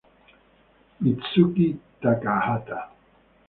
Mitsuki Takahata